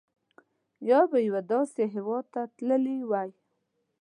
یا به یوه داسې هېواد ته تللي وای.